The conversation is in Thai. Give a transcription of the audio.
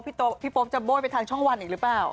พี่โป๊ปจะโบ้ยไปทางช่องวันอีกหรือเปล่า